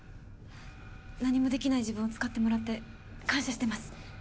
何もできない自分を使ってもらって感謝してます。